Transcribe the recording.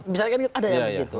misalnya kan ada yang begitu